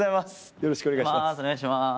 よろしくお願いします。